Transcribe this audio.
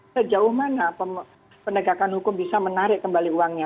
sejauh mana penegakan hukum bisa menarik kembali uangnya